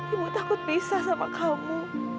ibu takut pisah sama kamu